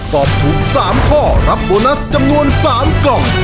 ตอบถูก๓ข้อรับโบนัสจำนวน๓กล่อง